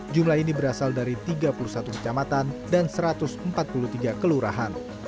jumlah ini berasal dari tiga puluh satu kecamatan dan satu ratus empat puluh tiga kelurahan